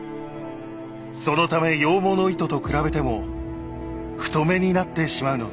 そのため羊毛の糸と比べても太めになってしまうのです。